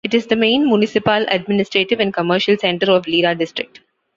It is the main municipal, administrative, and commercial centre of Lira District.